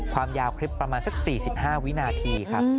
ความยาวคลิปประมาณสัก๔๕วินาทีครับ